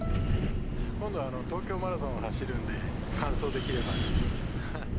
今度、東京マラソン走るんで、完走できれば。